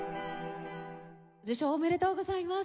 受賞おめでとうございます。